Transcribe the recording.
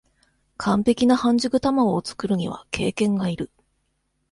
完璧な半熟たまごを作るには経験がいる